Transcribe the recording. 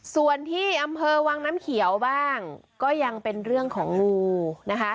ส่วนที่อำเภอวังน้ำเขียวบ้างก็ยังเป็นเรื่องของงูนะคะ